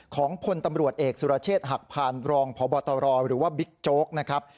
ของพลตำรวจเอกสุรเชษฐ์หักพานรองพบตรหรือว่าบิ๊กโจ๊กนะครับ